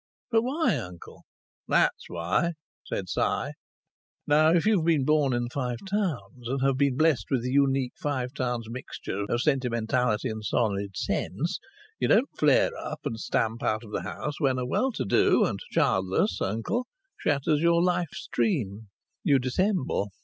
"But why, uncle?" "That's why," said Si. Now if you have been born in the Five Towns and been blessed with the unique Five Towns mixture of sentimentality and solid sense, you don't flare up and stamp out of the house when a well to do and childless uncle shatters your life's dream. You dissemble.